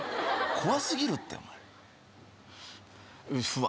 怖すぎるってお前不安